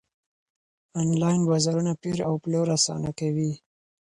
انلاين بازارونه پېر او پلور اسانه کوي.